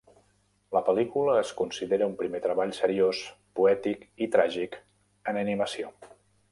La pel·lícula es considera un primer treball seriós, poètic i tràgic en animació.